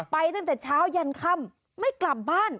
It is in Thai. ตั้งแต่เช้ายันค่ำไม่กลับบ้าน